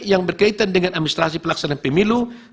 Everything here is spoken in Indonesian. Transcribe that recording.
yang berkaitan dengan administrasi pelaksanaan pemilu